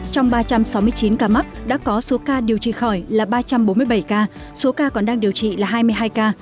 trong ba trăm sáu mươi chín ca mắc đã có số ca điều trị khỏi là ba trăm bốn mươi bảy ca số ca còn đang điều trị là hai mươi hai ca